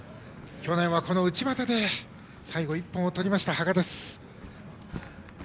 去年はこの内股で最後一本をとった、羽賀です。